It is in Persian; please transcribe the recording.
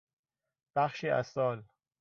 بخشی از سال